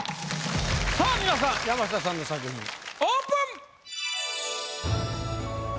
さぁ皆さん山下さんの作品オープン！